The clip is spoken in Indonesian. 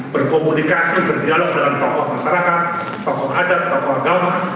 berkomunikasi berdialog dengan tokoh masyarakat tokoh adat tokoh agama